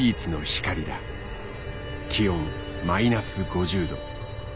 気温マイナス５０度。